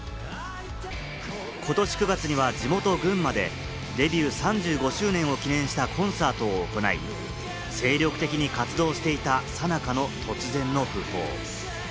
ことし９月には地元・群馬でデビュー３５周年を記念したコンサートを行い、精力的に活動をしていたさなかの突然の訃報。